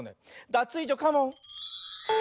ダツイージョカモン！